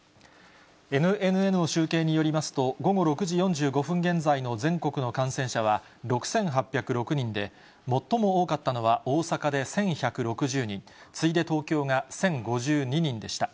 ＮＮＮの集計によりますと、午後６時４５分現在の全国の感染者は、６８０６人で、最も多かったのは大阪で１１６０人、次いで東京が１０５２人でした。